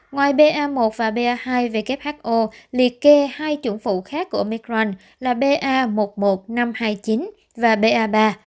ngoài ba một và ba hai who liệt kê hai chủng phụ khác của omicron là ba một mươi một nghìn năm trăm hai mươi chín và ba ba